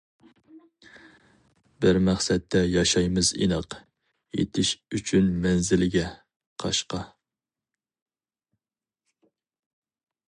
بىر مەقسەتتە ياشايمىز ئىناق، يىتىش ئۈچۈن مەنزىلگە، قاشقا.